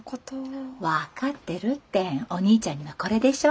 分かってるってお兄ちゃんにはこれでしょ。